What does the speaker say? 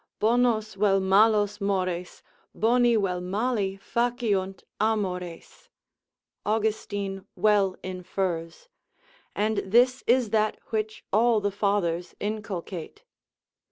bonos vel malos mores, boni vel mali faciunt amores, Austin well infers: and this is that which all the fathers inculcate.